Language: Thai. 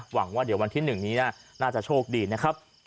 หวังว่าเดี๋ยววันที่๑นี้น่าจะโชคดีนะครับ